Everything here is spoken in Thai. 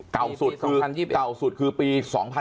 เก่าสุดคือปี๒๐๒๑